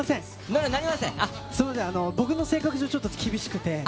僕の性格上ちょっと厳しくて。